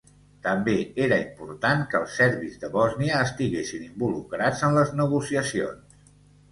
També era important que els serbis de Bòsnia estiguessin involucrats en les negociacions.